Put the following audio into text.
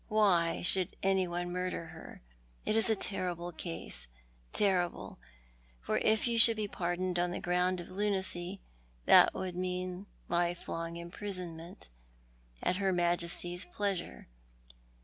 Why should anyone murder her? It is a terrible case — terrible, for if you should be pardoned on the ground of lunacy, that would mean a lifelong imprisonment. At Her Majesty's pleasure!